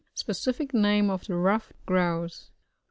Specific name of the ruffed Grouse.